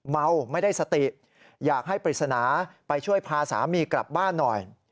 เมาไม่ได้สติอยากให้ปริศนาไปช่วยพาสามีกลับบ้านหน่อย